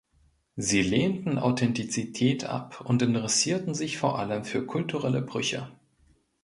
Sie lehnten „Authentizität“ ab und interessierten sich vor allem für kulturelle Brüche.